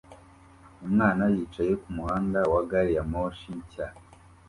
umwana yicaye kumuhanda wa gari ya moshi nshya